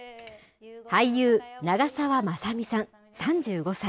俳優、長澤まさみさん３５歳。